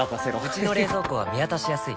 うちの冷蔵庫は見渡しやすい